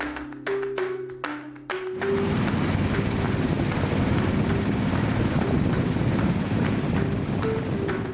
จริงบันดาลไทย